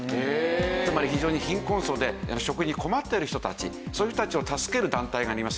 つまり非常に貧困層で食に困っている人たちそういう人たちを助ける団体がありますよね。